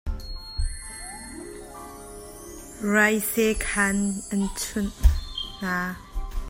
Raise khaan an chunh hna.